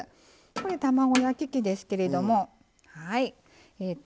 これ卵焼き器ですけれどもはい。